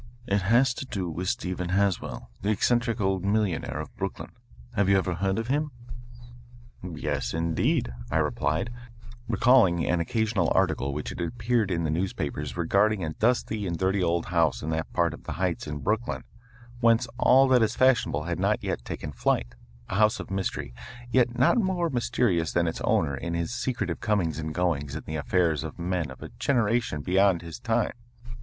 "It has to do with Stephen Haswell, the eccentric old millionaire of Brooklyn. Have you ever heard of him?" "Yes, indeed," I replied, recalling an occasional article which had appeared in the newspapers regarding a dusty and dirty old house in that part of the Heights in Brooklyn whence all that is fashionable had not yet taken flight, a house of mystery, yet not more mysterious than its owner in his secretive comings and goings in the affairs of men of a generation beyond his time.